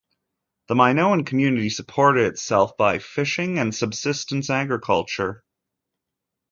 The Minoan community supported itself by fishing and subsistence agriculture.